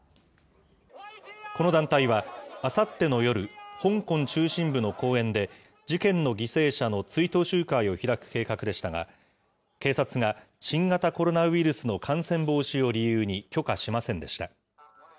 この団体は、あさっての夜、香港中心部の公園で、事件の犠牲者の追悼集会を開く計画でしたが、警察が新型コロナウイルスの感染防止を理由に許可しませんでした。